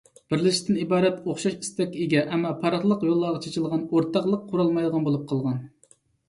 بىرلىشىشتىن ئىبارەت ئوخشاش ئىستەككە ئىگە، ئەمما پەرقلىق يوللارغا چېچىلغان، ئورتاقلىق قۇرالمايدىغان بولۇپ قالغان.